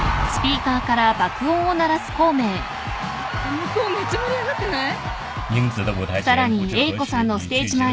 向こうめっちゃ盛り上がってない？